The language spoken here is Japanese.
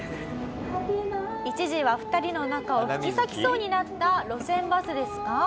一時は２人の仲を引き裂きそうになった路線バスですが。